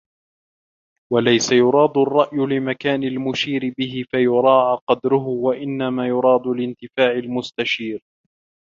وَلَيْسَ يُرَادُ الرَّأْيُ لِمَكَانِ الْمُشِيرِ بِهِ فَيُرَاعَى قَدْرُهُ وَإِنَّمَا يُرَادُ لِانْتِفَاعِ الْمُسْتَشِيرِ